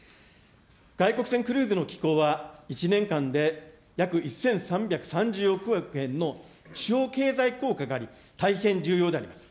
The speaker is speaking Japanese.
外国船クルーズの寄港は１年間で約１３３０億円の地方経済効果があり、大変重要であります。